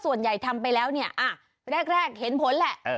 ส่วนใหญ่ทำไปแล้วเนี่ยแรกเห็นผลแหละ